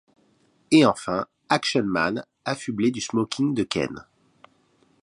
Et enfin Action Man affublé du smoking de Ken.